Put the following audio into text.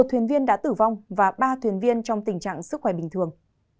một thuyền viên đã tử vong và ba thuyền viên trong tình trạng sức khỏe bình thường